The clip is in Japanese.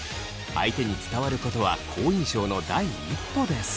相手に伝わることは好印象の第一歩です。